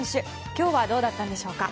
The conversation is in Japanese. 今日はどうだったんでしょうか。